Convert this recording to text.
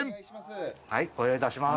はいご用意いたします。